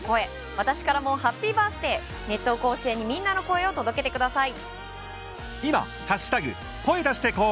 私からもハッピーバースデー、熱闘甲子園にみんなの声を届けてください。